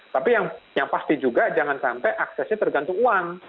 tapi yang pasti juga jangan sampai aksesnya tergantung uang